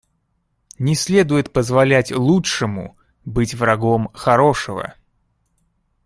Не следует позволять лучшему быть врагом хорошего.